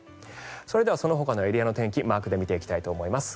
それではそのほかのエリアの天気マークで見ていきたいと思います。